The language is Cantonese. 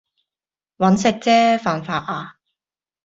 搵食啫，犯法呀